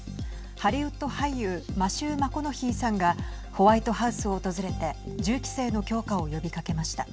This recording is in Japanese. ハリウッド俳優マシュー・マコノヒーさんがホワイトハウスを訪れて銃規制の強化を呼びかけました。